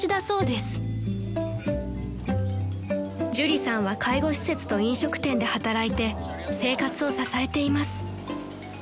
［朱里さんは介護施設と飲食店で働いて生活を支えています］